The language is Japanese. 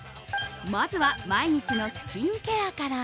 まずは、毎日のスキンケアから。